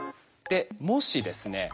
もしですね